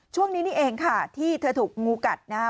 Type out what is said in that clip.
ช่วงนี้นี่เองค่ะที่เธอถูกงูกัดนะครับ